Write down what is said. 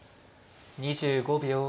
２５秒。